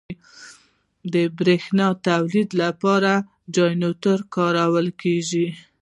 د برېښنا تولید لپاره جنراتور کارول کېږي.